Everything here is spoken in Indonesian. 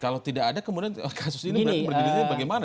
kalau tidak ada kemudian kasus ini berbeda bagaimana